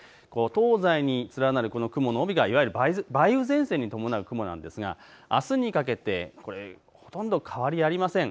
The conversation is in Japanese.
東西に連なる雲の帯がいわゆる梅雨前線に伴う雲なんですが、あすにかけてほとんど変わりありません。